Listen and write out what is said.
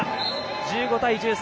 １５対１３